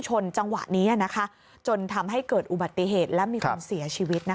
จังหวะนี้จนทำให้เกิดอุบัติเหตุและมีคนเสียชีวิต